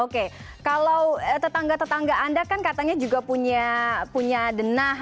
oke kalau tetangga tetangga anda kan katanya juga punya denah